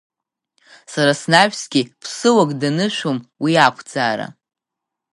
Сара снаҩсгьы аԥсыуак данышәом уи ақәӡаара.